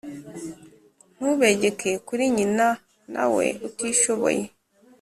ntubegeke kuri nyina na we utishoboye